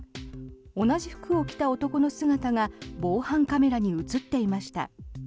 同じ服を着た男の姿が防犯カメラに映っていました。